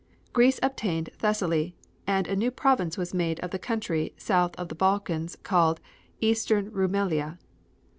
Greece obtained Thessaly, and a new province was made of the country south of the Balkans called Eastern Rumelia.